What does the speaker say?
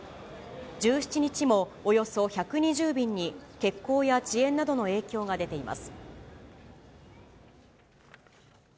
１７日もおよそ１２０便に欠航や遅延などの影響が出ています。